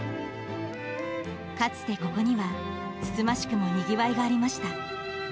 かつてここには、つつましくもにぎわいがありました。